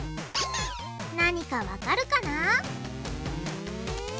何かわかるかな？